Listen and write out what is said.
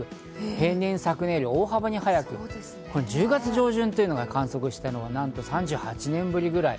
平年より、昨年より大幅に早い、１０月上旬というのを観測したのがなんと３８年ぶりぐらい。